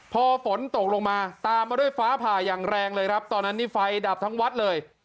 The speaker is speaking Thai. พอฝนตกลงมาตามมาด้วยฟ้าผ่าอย่างแรงเลยครับตอนนั้นนี่ไฟดับทั้งวัดเลย